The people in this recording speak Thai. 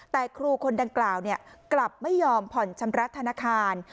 แต่ครูคนดังกล่าวกลับไม่ยอมผ่อนชำระธนาคาร